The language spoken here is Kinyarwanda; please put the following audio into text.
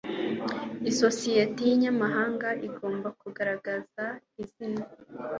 isosiyete y inyamahanga igomba kugaragaza izina